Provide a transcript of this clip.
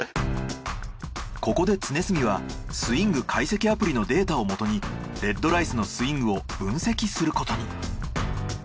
ここで常住はスイング解析アプリのデータをもとにＲＥＤＲＩＣＥのスイングを分析することに。